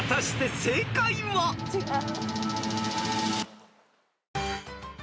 違う？